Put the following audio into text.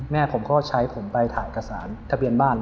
แม่ผมก็ใช้ผมไปถ่ายเอกสารทะเบียนบ้าน